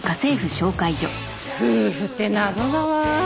夫婦って謎だわ。